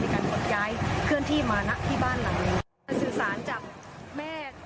แล้วกันหลบแยกเคลื่อนที่มานักที่บานหลังลิ้ง